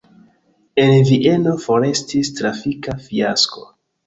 En Vieno forestis trafika fiasko.